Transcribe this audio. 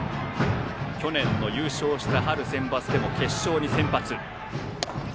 去年の優勝した春センバツでも決勝に先発。